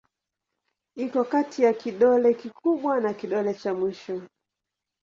Iko kati ya kidole kikubwa na kidole cha mwisho.